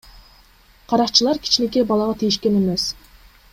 Каракчылар кичинекей балага тийишкен эмес.